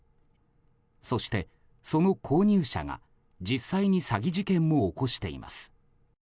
そして、その購入者が実際に詐欺事件を起こしています。